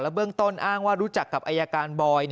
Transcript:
เบื้องต้นอ้างว่ารู้จักกับอายการบอย